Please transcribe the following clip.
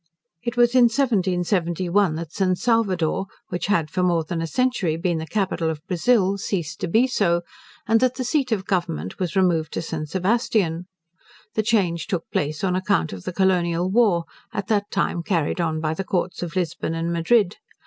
It was in 1771 that St. Salvador, which had for more than a century been the capital of Brazil, ceased to be so; and that the seat of Government was removed to St. Sebastian. The change took place on account of the colonial war, at that time carried on by the Courts of Lisbon and Madrid.